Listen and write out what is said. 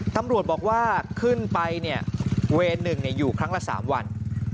ตำรวจบอกว่าขึ้นไปเนี่ยเวร๑อยู่ครั้งละ๓วัน